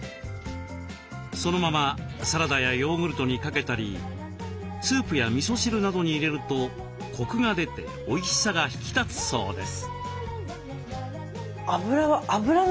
そのままサラダやヨーグルトにかけたりスープやみそ汁などに入れるとコクが出ておいしさが引き立つそうです。